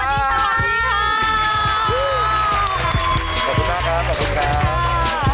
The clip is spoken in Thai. ขอบคุณมากครับขอบคุณครับ